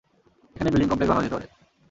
এখানে building complex বানানো যেতে পারে।